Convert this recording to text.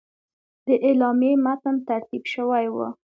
د اعلامیې متن ترتیب شوی وو.